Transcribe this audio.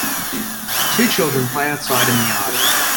Two children play outside in the yard.